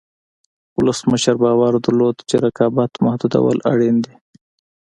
ولسمشر باور درلود چې رقابت محدودول اړین دي.